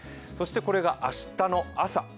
そしてこれが明日の朝。